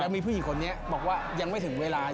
มีผู้หญิงคนนี้บอกว่ายังไม่ถึงเวลา